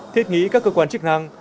thiết nghĩ các cơ quan chức năng